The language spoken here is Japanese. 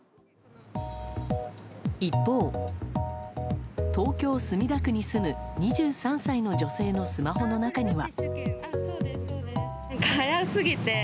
一方、東京・墨田区に住む２３歳の女性のスマホの中には。